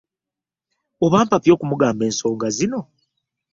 Oba mpapye okumugamba ensonga zino!